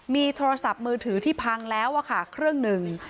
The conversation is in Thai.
มีโทรศัพท์มือถือที่พังแล้วค่ะเครื่องหนึ่ง